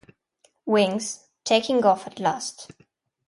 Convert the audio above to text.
"Wings: Taking off at Last".